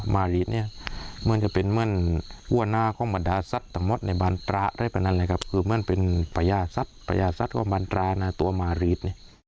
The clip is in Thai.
ม้ารีดนี่เหมือนจะเป็นอ้วนหน้าของบัตราศัตริย์